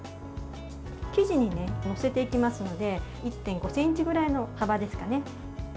生地に載せていきますので１．５ｃｍぐらいの幅ですかね。